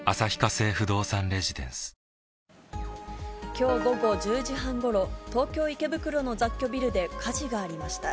きょう午後１０時半ごろ、東京・池袋の雑居ビルで火事がありました。